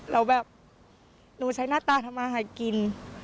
แล้วแบบหนูใช้หน้าตาทำมาหากิน